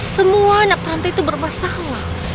semua anak tante itu bermasalah